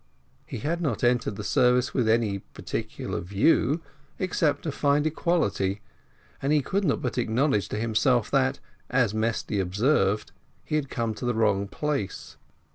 He had not entered the service with any particular view, except to find equality; and he could not but acknowledge to himself that, as Mesty observed, he had come to the wrong place.